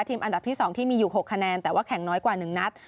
อันดับที่๒ที่มีอยู่๖คะแนนแต่ว่าแข่งน้อยกว่า๑นัด